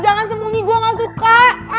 jangan sembunyi gue gak suka